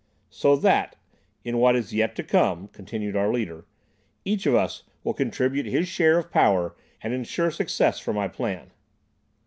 "So that, in what is yet to come," continued our leader, "each of us will contribute his share of power, and ensure success for my plan."